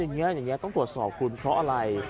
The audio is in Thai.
อย่างนี้ต้องตรวจสอบคุณเพราะอะไร